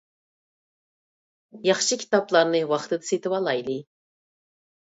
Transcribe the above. ياخشى كىتابلارنى ۋاقتىدا سېتىۋالايلى.